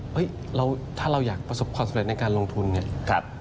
เฮ้ยเราถ้าเราอยากประสบความสำเร็จในการลงทุนเนี่ยครับ